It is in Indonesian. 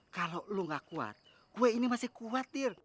kalau lo gak kuat gue ini masih khawatir